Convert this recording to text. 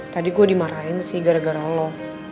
tadi gue dimarahin sih gara gara lo